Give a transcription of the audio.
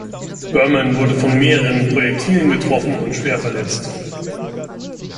Berman wurde von mehreren Projektilen getroffen und schwer verletzt.